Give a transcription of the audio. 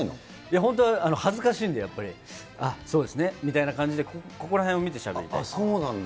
本当は恥ずかしいんで、やっぱり、あっ、そうですね、みたいな感じで、ここら辺を見てそうなんだ。